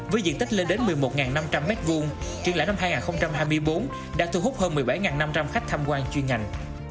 với diện tích lên đến một mươi một năm trăm linh m hai truyền lãi năm hai nghìn hai mươi bốn đã thu hút hơn một mươi bảy năm trăm linh khách tham quan chuyên ngành